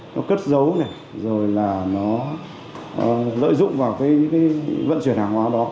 nó cất dấu này rồi là nó lợi dụng vào cái vận chuyển hàng hóa đó